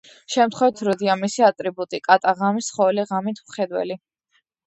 შემთხვევით როდია მისი ატრიბუტი კატა, ღამის ცხოველი, ღამით მხედველი.